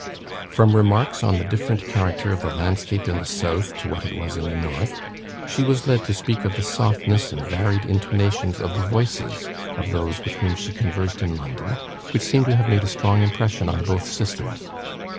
From remarks on the different character of the landscape in the South to what it was in the North, she was led to speak of the softness and varied intonation of the voices of those with whom she conversed in London, which seem to have made a strong impression on both sisters.